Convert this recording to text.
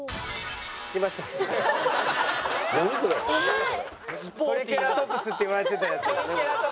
トリケラトプスって言われてたやつですね。